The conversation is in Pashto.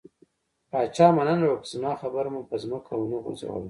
پاچا مننه وکړه، چې زما خبره مو په ځمکه ونه غورځوله.